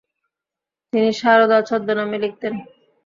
তিনি সারদা ছদ্মনামে লিখতেন।